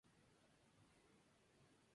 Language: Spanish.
En este caso se convierte en emprendedor.